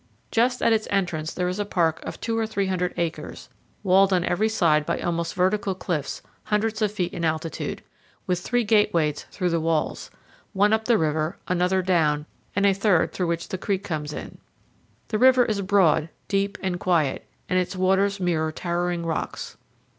Just at its entrance there is a park of two or three hundred acres, walled on every side by almost vertical cliffs hundreds of feet in altitude, with three gateways through the walls one up the river, another down, and a third through which the creek comes in. The river is broad, deep, and quiet, and its waters mirror towering rocks.